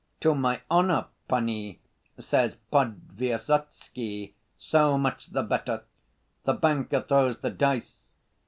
'To my honor, panie,' says Podvysotsky. 'So much the better.' The banker throws the dice.